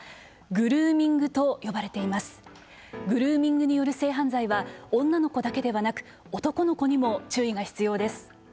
グルーミングによる性犯罪は女の子だけではなく男の子にも注意が必要です。